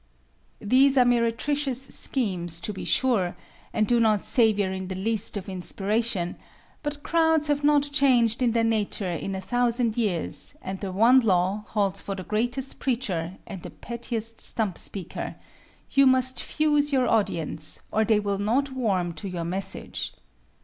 These are meretricious schemes, to be sure, and do not savor in the least of inspiration, but crowds have not changed in their nature in a thousand years and the one law holds for the greatest preacher and the pettiest stump speaker you must fuse your audience or they will not warm to your message.